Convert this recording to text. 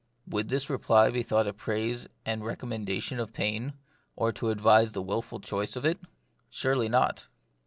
Would this reply be thought a praise and recommendation of pain, or to advise the wilful choice of it ? Surely not.